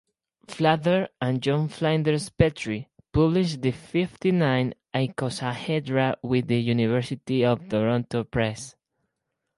Flather, and John Flinders Petrie published The Fifty-Nine Icosahedra with University of Toronto Press.